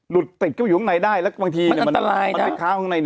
หลุดติดเข้าไปอยู่ข้างในได้แล้วบางทีเนี่ย